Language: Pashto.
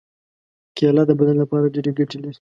کېله د بدن لپاره ډېرې ګټې لري.